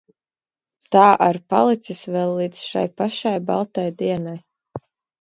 Tā ar palicis vēl līdz šai pašai baltai dienai.